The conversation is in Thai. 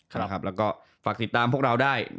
แล้วก็ฝากติดตามพวกเราได้